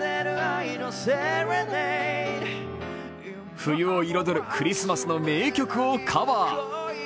冬を彩るクリスマスの名曲をカバー。